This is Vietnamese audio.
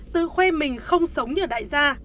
tự khoe mình không sống như đại gia